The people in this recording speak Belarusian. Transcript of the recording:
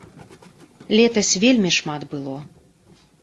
Летась вельмі шмат было.